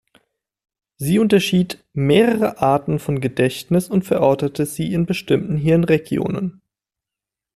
Sie unterschied mehrere Arten von Gedächtnis und verortete sie in bestimmten Hirnregionen.